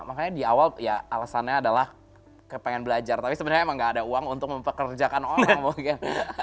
makanya di awal ya alasannya adalah kepengen belajar tapi sebenarnya emang gak ada uang untuk mempekerjakan orang mungkin